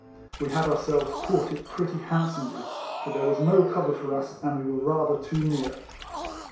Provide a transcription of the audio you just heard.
We had ourselves caught it pretty hand somely ; for there was no cover for us, and we were rather too near.